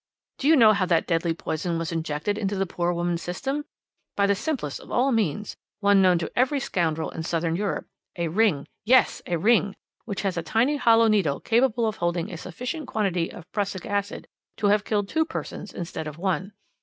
"Do you know how that deadly poison was injected into the poor woman's system? By the simplest of all means, one known to every scoundrel in Southern Europe. A ring yes! a ring, which has a tiny hollow needle capable of holding a sufficient quantity of prussic acid to have killed two persons instead of one.